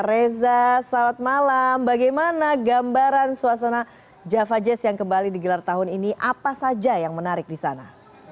reza selamat malam bagaimana gambaran suasana java jazz yang kembali digelar tahun ini apa saja yang menarik di sana